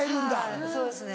はいそうですね。